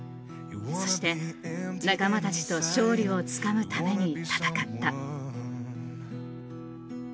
そして、仲間たちと勝利をつかむために戦った。